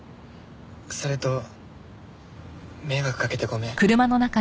それと迷惑かけてごめん。